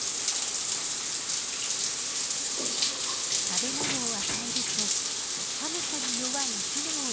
食べ物を与えると寒さに弱いヒナを抱いて温めます。